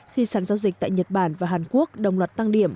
khi sản giao dịch tại nhật bản và hàn quốc đồng loạt tăng điểm